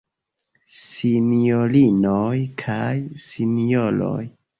Sinjorinoj kaj Sinjoroj!